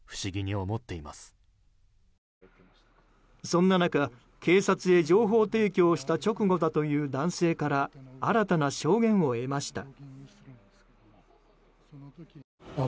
そんな中、警察へ情報提供をした直後だという男性から新たな証言を得ました。